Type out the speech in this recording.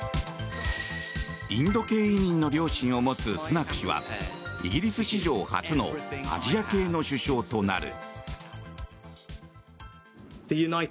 インド系移民の両親を持つスナク氏はイギリス史上初のアジア系の首相となる。